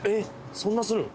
そんなするん？